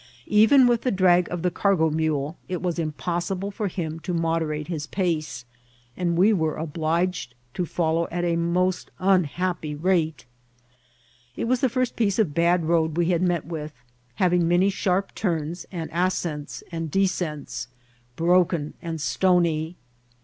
Even with die drag <rf the car^ BAGAtBt. S87 go mnle it was unpossible for him to moderate his paeei and we were obliged to follow at a moBt anhiappy rate. It was the first piece of bad road we had met with, hav^ ing many sharp turns, and asoents and desoests, broken and stony.